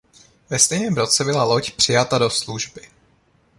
Ve stejném roce byla loď přijata do služby.